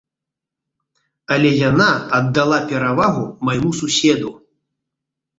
Але яна аддала перавагу майму суседу.